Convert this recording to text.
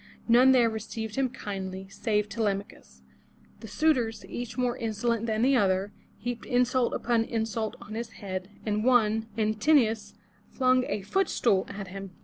None there received him kindly, save Te lem'a chus. The suitors, each more insolent than the other, heaped insult upon insult on his head, and one, An tin'o us, flung a foot stool at him.